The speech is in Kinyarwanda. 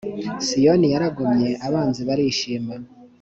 siyoni yaragomye abanzi barishima